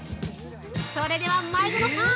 ◆それでは前園さん